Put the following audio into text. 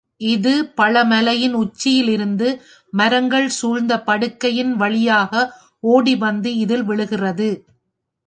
இது பழ மலையின் உச்சியிலிருந்து மரங்கள் சூழ்ந்த படுகையின் வழியாக ஓடி வந்து இதில் விழுகிறது.